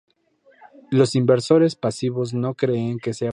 Los inversores pasivos no creen que sea posible calcular el tiempo del mercado.